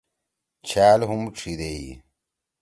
چھأل ہُم ڇھی دیئی۔